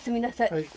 はい。